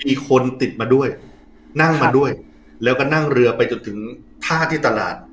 อีกคนติดมาด้วยนั่งมาด้วยแล้วก็นั่งเรือไปจนถึงท่าที่ตลาด